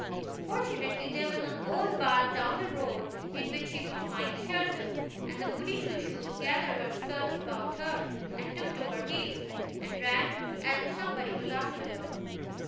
Fortunately there was an old barn down the road, in which she could find shelter, and Goody Two Shoes gathered her skirts about her and took to her heels, and ran as if some body was after her.